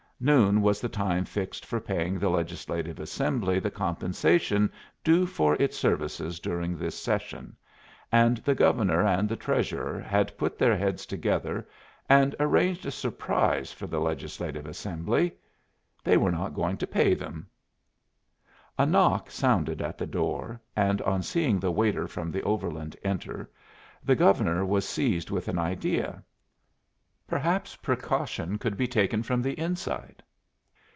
Noon was the time fixed for paying the Legislative Assembly the compensation due for its services during this session; and the Governor and the Treasurer had put their heads together and arranged a surprise for the Legislative Assembly. They were not going to pay them. A knock sounded at the door, and on seeing the waiter from the Overland enter, the Governor was seized with an idea. Perhaps precaution could be taken from the inside.